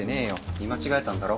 見間違えたんだろ。